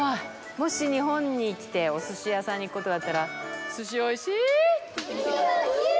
もし日本に来て、おすし屋さんに行くことがあったら、すしおいしぃー。